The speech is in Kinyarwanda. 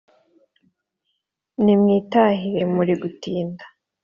nimwitahire muri gutinda